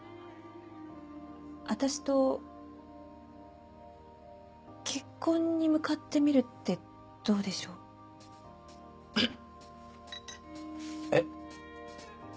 私と結婚に向かってみるってどうでしょう？え？